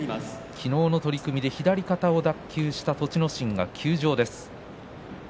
昨日の取組で左肩を脱臼した栃ノ心が今日から休場です。